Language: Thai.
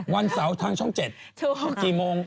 วันเสาร์ทางช่องเจ็ด